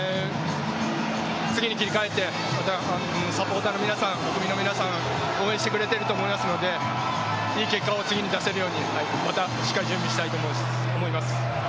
次に切り替えてサポーターの皆さん国民の皆さん応援してくれていると思いますのでいい結果を次出せるようにまたしっかり準備したいと思います。